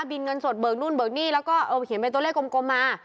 เงินสดเบิกนู่นเบิกหนี้แล้วก็เขียนเป็นตัวเลขกลมมา